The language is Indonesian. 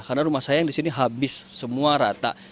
karena rumah saya yang di sini habis semua rata